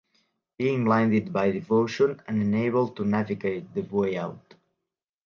Being blinded by devotion and unable to navigate the way out.